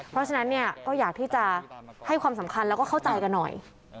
เพราะฉะนั้นเนี่ยก็อยากที่จะให้ความสำคัญแล้วก็เข้าใจกันหน่อย